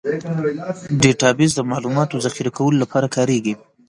ډیټابیس د معلوماتو ذخیره کولو لپاره کارېږي.